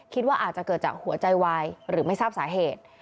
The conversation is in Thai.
คิดว่าอาจจะเกิดจากหัวใจวายหรือไม่ทราบสาเหตุ